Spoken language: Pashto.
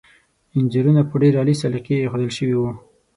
انځورونه په ډېر عالي سلیقې ایښودل شوي وو.